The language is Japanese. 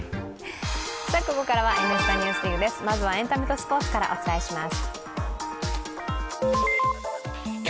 ここからは「Ｎスタ・ＮＥＷＳＤＩＧ」です、まずはエンタメとスポーツからお伝えします。